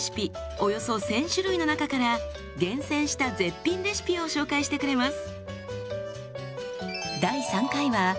およそ１，０００種類の中から厳選した絶品レシピを紹介してくれます。